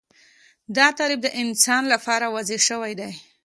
دا تعریف د انسان لپاره وضع شوی دی